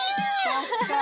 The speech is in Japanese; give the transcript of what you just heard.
そっか。